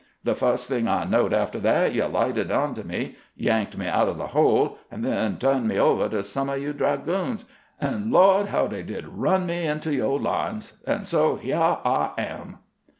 The fust thing I knowed aftah that, you lighted onto me, yanked 160 CAMPAIGNING WITH GEANT me out o' the hole, and then turned me ovah to some of you' dragoons; and Lo'd! how they did run me into you' lines ! And so h'yah I am."